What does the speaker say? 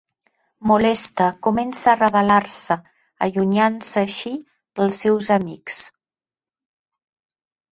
Molesta, comença a rebel·lar-se, allunyant-se així dels seus amics.